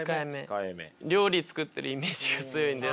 料理作ってるイメージが強いんで。